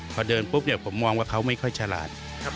พอเดินปุ๊บผมมองว่าเขาไม่ค่อยฉลาด